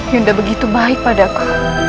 yunda begitu baik padaku